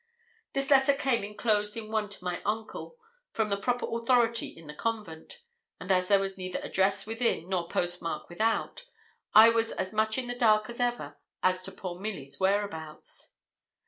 This letter came enclosed in one to my uncle, from the proper authority in the convent; and as there was neither address within, nor post mark without, I was as much in the dark as ever as to poor Milly's whereabouts.